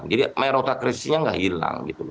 jadi merota krisisnya nggak hilang